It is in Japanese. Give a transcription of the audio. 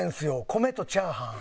米とチャーハン。